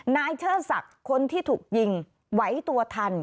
นายเชื่อสักคนที่ถูกยิงไหวตัวทัน